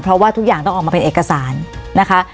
เพราะว่าทุกอย่างต้องออกมาเป็นเอกสารนะคะ